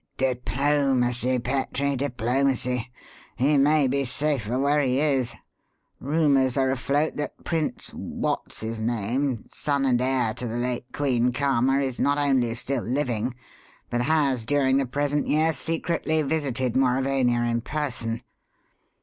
"Diplomacy, Petrie, diplomacy! he may be safer where he is. Rumours are afloat that Prince What's his name, son and heir of the late Queen Karma, is not only still living, but has, during the present year, secretly visited Mauravania in person.